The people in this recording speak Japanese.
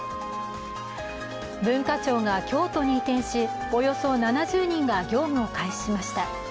文化庁が京都に移転し、およそ７０人が業務を開始しました。